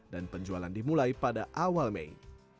dan penjualan dimulai pada awal mei